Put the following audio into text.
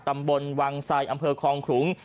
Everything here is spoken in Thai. ตำบลวังไซอำเภอคลองขลุง